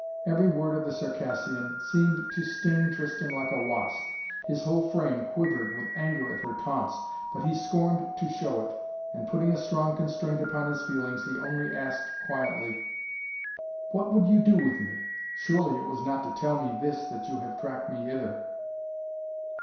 Every word of the Circassian seemed to sting Tristan like a wasp. His whole frame quivered with anger at her taunts, but he scorned to show it, and putting a strong constraint upon his feelings he only asked quietly: "What would you with me? Surely it was not to tell me this that you have tracked me hither."